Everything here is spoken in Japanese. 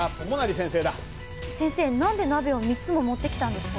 先生何で鍋を３つも持ってきたんですか？